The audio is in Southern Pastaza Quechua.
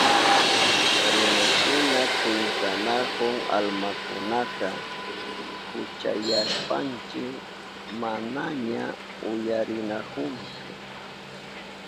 Runashina kwintanahun almakunaka, kuchuyashpanchi manaña uyarinahunchu.